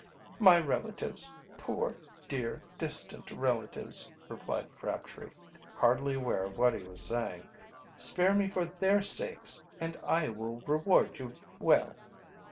"My relatives my poor, dear, distant relatives," replied Crabtree, hardly aware of what he was saying. "Spare me for their sakes, and I will reward you well."